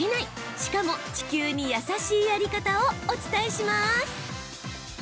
しかも地球に優しいやり方をお伝えします。